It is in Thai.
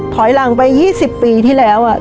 ถอยหลังไป๒๐ปีที่แล้ว